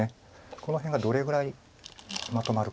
この辺がどれぐらいまとまるか。